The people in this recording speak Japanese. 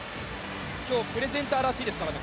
今日プレゼンターらしいですからね